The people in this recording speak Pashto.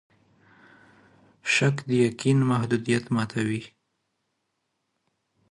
شک د یقین د محدودیت ماتوي.